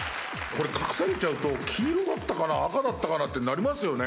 隠されちゃうと黄色だったか赤だったかってなりますよね。